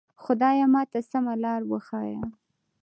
خدایه ماته سمه لاره وښیه.